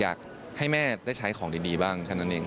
อยากให้แม่ได้ใช้ของดีบ้างแค่นั้นเอง